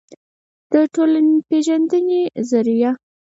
دټولنپېژندې ظریه